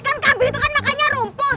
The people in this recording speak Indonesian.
kan kambing itu kan makannya rumput